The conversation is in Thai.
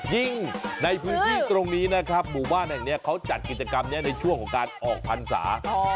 ในพื้นที่ตรงนี้นะครับหมู่บ้านแห่งนี้เขาจัดกิจกรรมนี้ในช่วงของการออกพรรษา